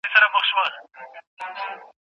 رسنۍ بېلابېل نظرونه خپروي.